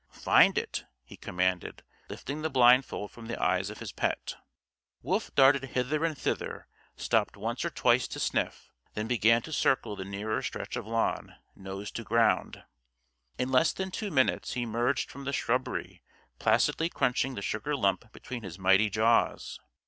"Find it!" he commanded, lifting the blindfold from the eyes of his pet. Wolf darted hither and thither, stopped once or twice to sniff, then began to circle the nearer stretch of lawn, nose to ground. In less than two minutes he merged from the shrubbery placidly crunching the sugar lump between his mighty jaws.